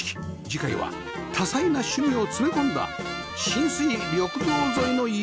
次回は多彩な趣味を詰め込んだ親水緑道沿いの家